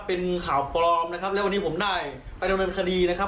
เป็นข่าวปลอมนะครับแล้ววันนี้ผมได้ไปดำเนินคดีนะครับ